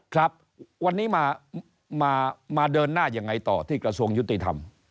ครับวันนี้มาเดินหน้ายังไงต่อที่กระทรวงยุติธรรม